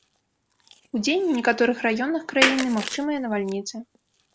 Удзень у некаторых раёнах краіны магчымыя навальніцы.